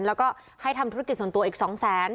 แล้วก็ให้ทำธุรกิจส่วนตัวอีก๒๐๐๐๐๐บาท